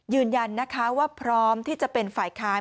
ยืนยันนะคะว่าพร้อมที่จะเป็นฝ่ายค้าน